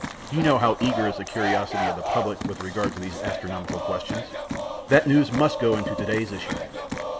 You know how eager is the curiosity of the public with regard to these astronomical questions. That news must go into to day's issue."